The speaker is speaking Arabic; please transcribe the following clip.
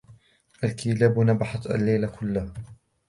الكلاب نبحت الليل كله.